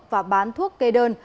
và bán thuốc kê đơn